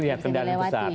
itu ya kendaraan besar